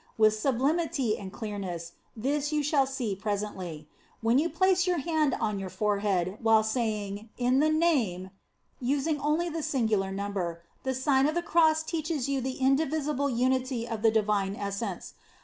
With sublimity and clearness this you shall see presently. When you place your hand on your forehead while saying, "In the name" using only the singular number, the Sign of the Cross teaches you the indivisible unity of the Divine Essence.